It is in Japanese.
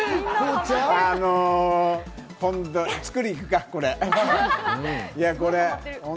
作りに行くか、これ。